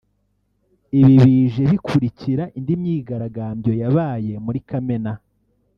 Ibi bije bikurikira indi myigaragambyo yabaye muri Kamena